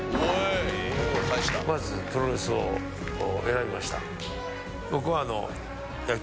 まずプロレスを選びました。